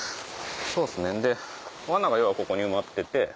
そうですねで罠が要はここに埋まってて。